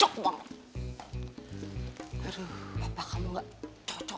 aduh papa kamu gak cocok